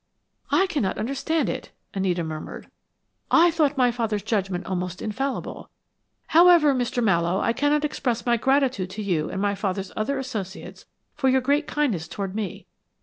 "I cannot understand it," Anita murmured. "I thought my father's judgment almost infallible. However, Mr. Mallowe, I cannot express my gratitude to you and my father's other associates for your great kindness toward me.